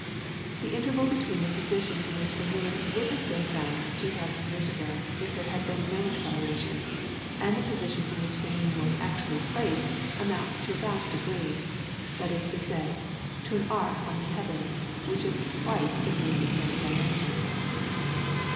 The interval between the position in which the moon would have been found two thousand years ago if there had been no acceleration, and the position in which the moon was actually placed, amounts to about a degree, that is to say, to an arc on the heavens which is twice the moon's apparent diameter.